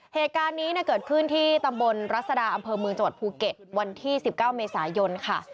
เหตุการณ์นี้เกิดขึ้นที่ตำบลรัศดาอำเภอเมืองจังหวัดภูเก็ตวันที่๑๙เมษายนค่ะ